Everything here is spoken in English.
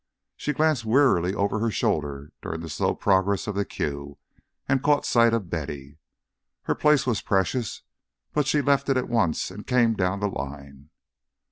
She glanced wearily over her shoulder during the slow progress of the queue, and caught sight of Betty. Her place was precious, but she left it at once and came down the line.